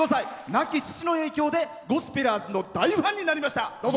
亡き父の影響でゴスペラーズの大ファンになりました。